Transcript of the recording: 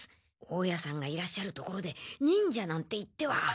大家さんがいらっしゃる所で忍者なんて言っては。